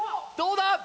どうだ？